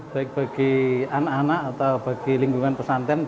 baik bagi anak anak atau bagi lingkungan pesantren